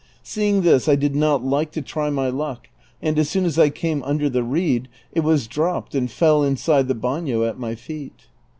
Seeing this I did not like not to try my luck, and as soon as I came under the reed it was dropped and fell inside the bano at my feet.